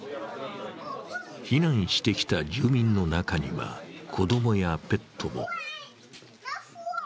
避難してきた住民の中には子供やペットも。